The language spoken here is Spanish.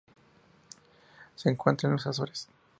Se encuentra en las Azores.